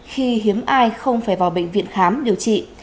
khi hiếm ai không phải vào bệnh viện khám điều trị